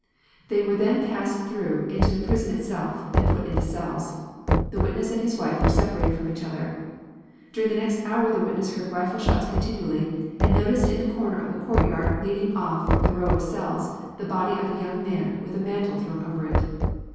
They were then passed through into the prison itself and put into cells. The witness and his wife were separated from each other. During the next hour the witness heard rifle shots continually and noticed in the corner of a courtyard leading off the row of cells the body of a young man with a mantle thrown over it.